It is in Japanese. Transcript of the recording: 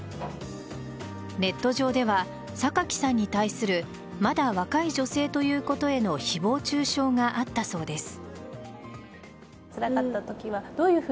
ネット上では、榊さんに対するまだ若い女性ということへの誹謗中傷があったそうです。